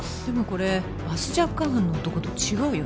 これバスジャック犯の男と違うよね